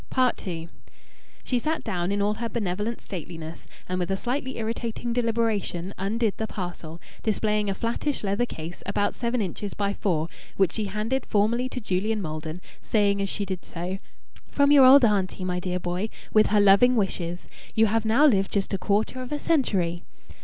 II She sat down in all her benevolent stateliness and with a slightly irritating deliberation undid the parcel, displaying a flattish leather case about seven inches by four, which she handed formally to Julian Maldon, saying as she did so "From your old auntie, my dear boy, with her loving wishes. You have now lived just a quarter of a century."